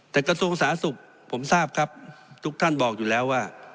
แต่กระทรวงสาธารณสุขผมทราบครับทุกท่านบอกอยู่แล้วว่า